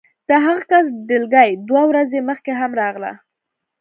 د هغه کس ډلګۍ دوه ورځې مخکې هم راغله